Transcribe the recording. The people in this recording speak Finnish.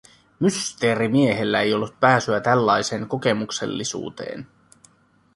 Mysteerimiehellä ei ollut pääsyä tällaiseen kokemuksellisuuteen.